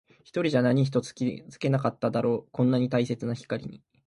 一人じゃ何一つ気づけなかっただろう。こんなに大切な光に。